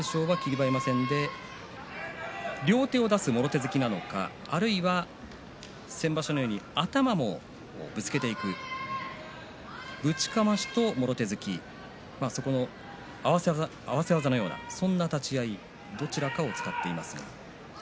馬山戦で両手を出しもろ手突きなのかあるいは先場所のように頭をぶつけていくぶちかましともろ手突きその合わせ技のようなそういう立ち合いどちらかを使っています。